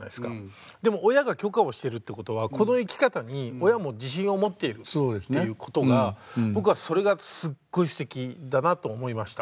でも親が許可をしてるってことはこの生き方に親も自信を持っているっていうことが僕はそれがすっごいすてきだなと思いました。